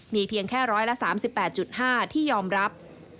มีเพียงแค่๑๓๘๕ที่ยอมรับ